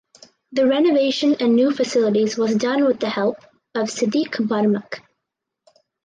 The renovation and new facilities was done with the help of Siddiq Barmak.